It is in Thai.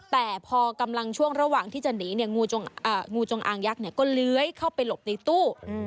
แต่พอกำลังช่วงระหว่างที่จะหนีงูจงอางยักษ์ก็เลื้อยเข้าไปหลบในตู้